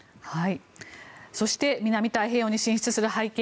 そして南太平洋に進出する背景。